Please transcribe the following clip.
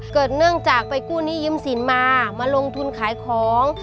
เนื่องจากไปกู้หนี้ยืมสินมามาลงทุนขายของ